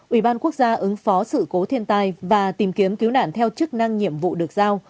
năm ubnd ứng phó sự cố thiên tai và tìm kiếm cứu nạn theo chức năng nhiệm vụ được giao